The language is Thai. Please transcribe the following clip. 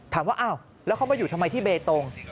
ถามว่าอ้าวแล้วเขามาอยู่ทำไมที่เบตง